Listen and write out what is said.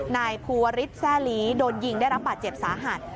นายภูวริสแซ่ลีโดนยิงได้รับบาดเจ็บสาหัส